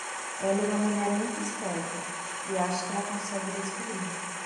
Ela é uma mulher muito esperta, e acho que ela consegue descobrir.